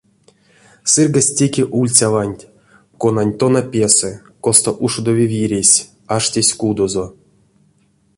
Сыргась теке ульцяванть, конань тона песэ, косто ушодови виресь, аштесь кудозо.